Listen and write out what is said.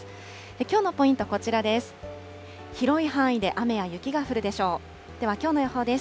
きょうのポイント、こちらです。